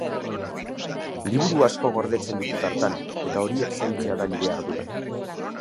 Liburu asko gordetzen ditut hartan, eta horiek zaintzea da nire ardura.